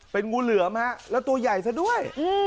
เป็นงูเหลือมฮะแล้วตัวใหญ่ซะด้วย